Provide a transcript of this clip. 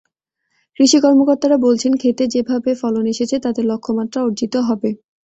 কৃষি কর্মকর্তারা বলছেন, খেতে যেভাবে ফলন এসেছে, তাতে লক্ষ্যমাত্রা অর্জিত হবে।